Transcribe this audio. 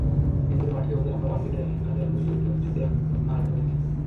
নিজেদের মাঠে ওদের আমরা ওয়ানডেতে হারালেও টি-টোয়েন্টিতে কিন্তু এখনো হারাতে পারিনি।